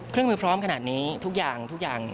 เครื่องมือพร้อมขนาดนี้ทุกอย่าง